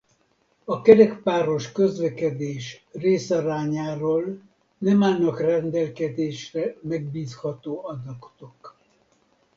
A kerékpáros közlekedés részarányáról nem állnak rendelkezésre megbízható adatok.